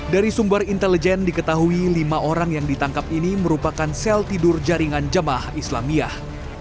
dari sumber intelijen diketahui lima orang yang ditangkap ini merupakan sel tidur jaringan jamaah islamiyah